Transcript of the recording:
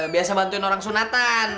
biasa bantuin orang sunatan